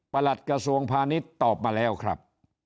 หลัดกระทรวงพาณิชย์ตอบมาแล้วครับ